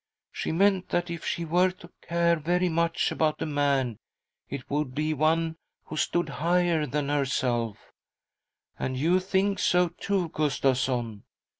She meant that if she were to care very much about a man, it would be one who stood higher than herself — and you think so too, Gustavsson.